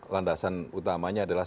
landasan utamanya adalah